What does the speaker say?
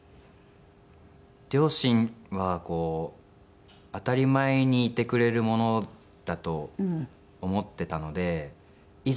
両親は当たり前にいてくれるものだと思っていたのでいざ